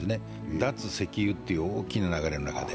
脱石油という大きな流れの中で。